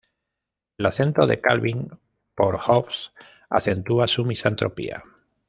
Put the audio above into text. El afecto de Calvin por Hobbes acentúa su misantropía.